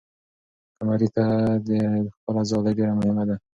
قمري ته خپله ځالۍ ډېره مهمه ده.